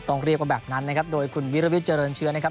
ต้องเรียกว่าแบบนั้นนะครับโดยคุณวิรวิทยเจริญเชื้อนะครับ